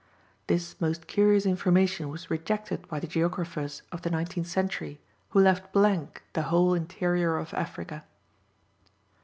This most curious information was rejected by the geographers of the nineteenth century, who left blank the whole interior of Africa.